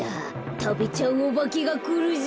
たべちゃうおばけがくるぞ。